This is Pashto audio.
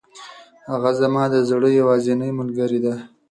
هغه زما د زړه یوازینۍ ملګرې ده.